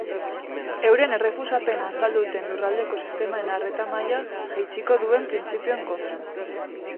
Euren errefusapena azaldu dute lurraldeko sistemaren arreta maila jaitsiko duen printzipioen kontra.